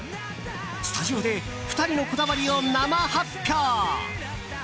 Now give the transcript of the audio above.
スタジオで２人のこだわりを生発表！